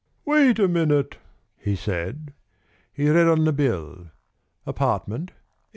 "Wait a minute," he said. He read on the bill: "Apartment £8.